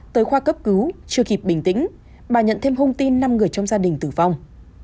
tới khoa cấp cứu chưa kịp bình tĩnh bà nhận thêm thông tin năm người trong gia đình tử vong